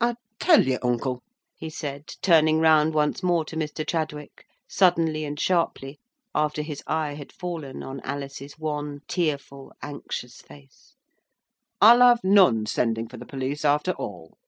I tell you, uncle!" he said, turning round once more to Mr. Chadwick, suddenly and sharply, after his eye had fallen on Alice's wan, tearful, anxious face; "I'll have none sending for the police after all.